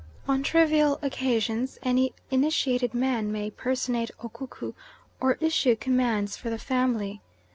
"On trivial occasions any initiated man may personate Ukuku or issue commands for the family.